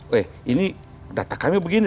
weh ini data kami begini